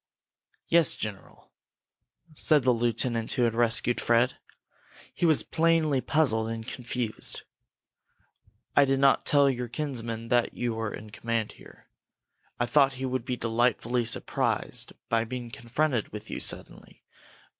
"Yes, general," said the lieutenant who had rescued Fred. He was plainly puzzled and confused. "I did not tell your kinsman that you were in command here. I thought he would be delightfully surprised by being confronted with you suddenly.